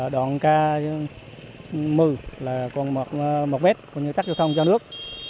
đoạn ca một mươi là còn một mét còn như tắt giao thông cho nước